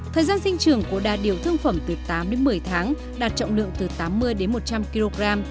thời gian sinh trường của đà điểu thương phẩm từ tám đến một mươi tháng đạt trọng lượng từ tám mươi đến một trăm linh kg